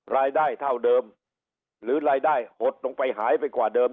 รายได้เท่าเดิม